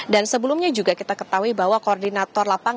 dan sebelumnya juga kita ketahui bahwa koordinator lapangan